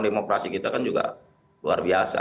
demokrasi kita kan juga luar biasa